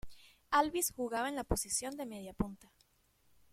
Albis jugaba en la posición de mediapunta.